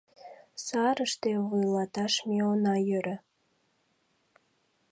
Сарыште вуйлаташ ме она йӧрӧ.